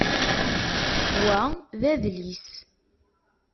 Wa d adlis.